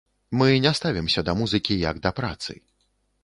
Мы не ставімся да музыкі як да працы.